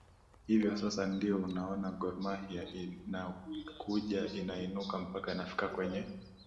hivyo sasa ndio unaona gormahia inakuja inainuka mpaka inafika kwenye